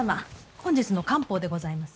本日の官報でございます。